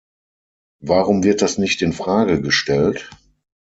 Warum wird das nicht in Frage gestellt?